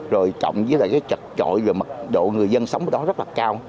rồi cộng với lại cái trật trội rồi mật độ người dân sống ở đó rất là cao